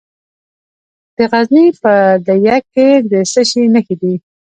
د غزني په ده یک کې د څه شي نښې دي؟